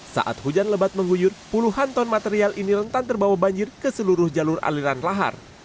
saat hujan lebat mengguyur puluhan ton material ini rentan terbawa banjir ke seluruh jalur aliran lahar